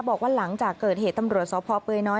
บอกว่าหลังจากเกิดเหตุตำรวจสพเปยน้อย